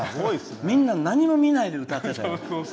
みんな、何も見ないで歌ったじゃない。